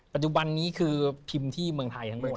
ปัจจุบันนี้คือพิมพ์ที่เมืองไทยทั้งหมด